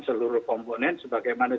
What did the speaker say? seluruh komponen sebagaimana